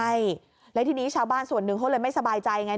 ใช่แล้วทีนี้ชาวบ้านส่วนหนึ่งเขาเลยไม่สบายใจไง